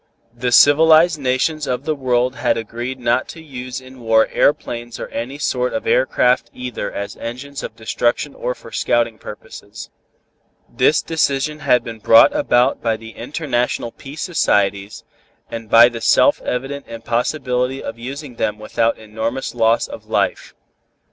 The civilized nations of the world had agreed not to use in war aeroplanes or any sort of air craft either as engines of destruction or for scouting purposes. This decision had been brought about by the International Peace Societies and by the self evident impossibility of using them without enormous loss of life.